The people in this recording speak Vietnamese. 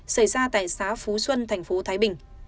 xảy ra tại xã phú xuân thành phố thái bình